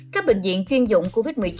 các bệnh viện chuyên dụng covid một mươi chín